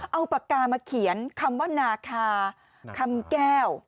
เอาปากกามาเขียนคำว่านาคาคำแก้ว